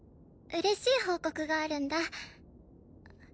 嬉しい報告があるんだ